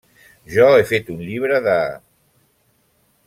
-Jo he fet un llibre de…